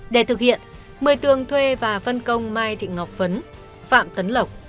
để thực hiện một mươi tường thuê và vân công mai thị ngọc phấn phạm tấn lộc